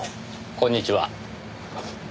こんにちは。